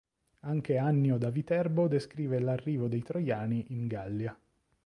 Anche Annio da Viterbo descrive l'arrivo dei Troiani in Gallia.